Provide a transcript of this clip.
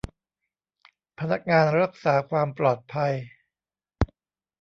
พนักงานรักษาความปลอดภัย